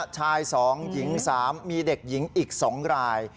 ชาย๒หญิง๓มีเด็กหญิงอีก๒ราย